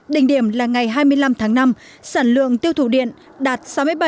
đình điểm là ngày hai mươi năm tháng năm sản lượng tiêu thụ điện đạt sáu mươi bảy chín trăm bảy mươi năm